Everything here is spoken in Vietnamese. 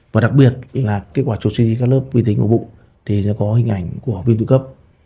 và đặc biệt là kết quả trột suy các lớp vi tính của bụng thì nó có hình ảnh của biến tụy cấp